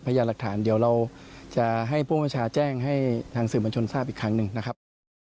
ยาหลักฐานเดี๋ยวเราจะให้ผู้ประชาแจ้งให้ทางสื่อบัญชนทราบอีกครั้งหนึ่งนะครับ